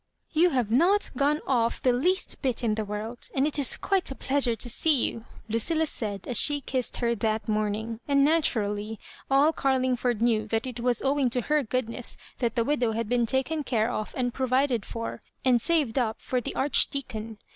" You have not gone off the least bit in the world, and it is ()uite a pleasure to see you," Lucilla said, as she kissed her iJeat morning — and naturally all Carlmgfbrd knew that it was owing to her goodness that the widow had been taken care of and provided for, aud saved up for the Archdeacon.